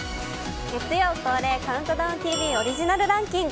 月曜恒例「ＣＤＴＶ」オリジナルランキング